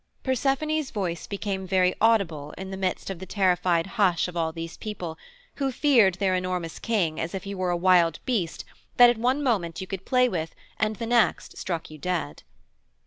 Persephone's voice became very audible in the midst of the terrified hush of all these people, who feared their enormous King as if he were a wild beast that at one moment you could play with and the next struck you dead.